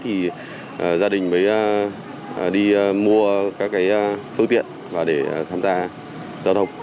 thì gia đình mới đi mua các phương tiện và để tham gia giao thông